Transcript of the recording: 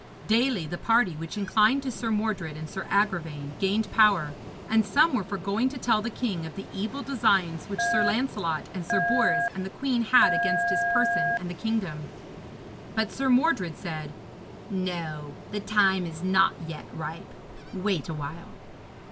Daily the party which inclined to Sir Mordred and Sir Agravaine gained power, and some were for going to tell the king of the evil designs which Sir Lancelot and Sir Bors and the queen had against his person and the kingdom. But Sir Mordred said, 'No, the time is not yet ripe. Wait a while.'